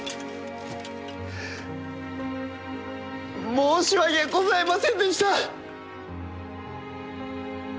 申し訳ございませんでした！